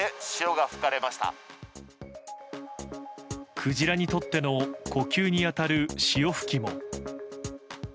クジラにとっての呼吸に当たる潮吹きも。